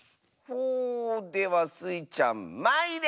ほではスイちゃんまいれ！